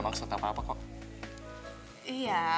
pak setiap kemahannya